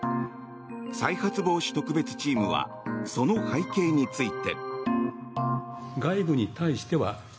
再発防止特別チームはその背景について。